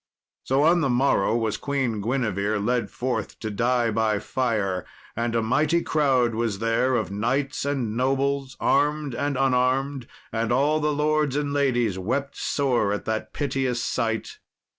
So on the morrow was Queen Guinevere led forth to die by fire, and a mighty crowd was there, of knights and nobles, armed and unarmed. And all the lords and ladies wept sore at that piteous sight.